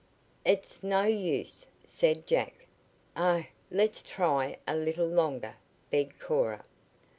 "It's no use," said Jack. "Oh, let's try a little longer," begged Cora.